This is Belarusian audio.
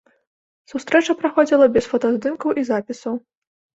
Сустрэча праходзіла без фотаздымкаў і запісаў.